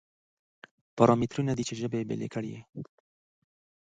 پارامترونه دي چې ژبې یې سره بېلې کړې دي.